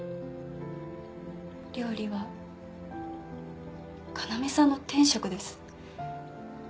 料理は要さんの天職です。